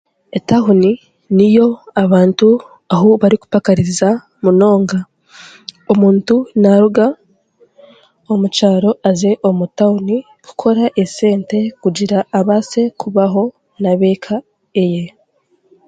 etahuni niyo abantu ahu barikupakarisiza munonga. Omuntu naaruga omu kyaro aze omu tahuni kukora esente kugira abaase kubaho n'ab'eka eye.